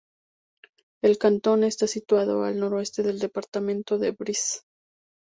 El cantón está situado al noroeste del departamento, en Bresse.